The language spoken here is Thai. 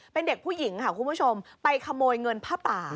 เป็นเด็กผู้หญิงค่ะคุณผู้ชมไปขโมยเงินผ้าป่า